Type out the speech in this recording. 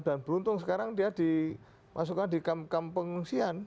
dan beruntung sekarang dia dimasukkan di kamp pengungsian